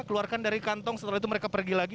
keluarkan dari kantong setelah itu mereka pergi lagi